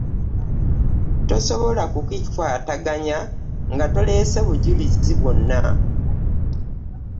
Tosobola kukiwakanya nga toleese bujulizi bwonna.